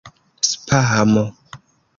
spamo